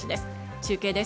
中継です。